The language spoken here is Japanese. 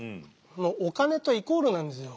お金とイコールなんですよ。